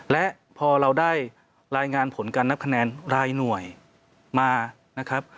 และพอเราได้รายงานผลการนับคะแนนรายหน่วยมานะครับ